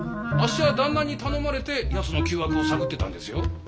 あっしは旦那に頼まれてやつの旧悪を探ってたんですよ。